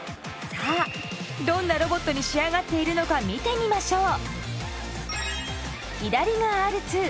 さあどんなロボットに仕上がっているのか見てみましょう。